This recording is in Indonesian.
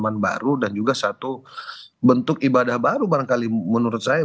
pengalaman baru dan juga satu bentuk ibadah baru barangkali menurut saya